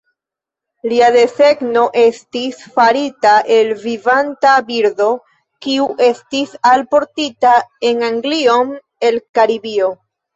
Lia desegno estis farita el vivanta birdo kiu estis alportita en Anglion el Karibio.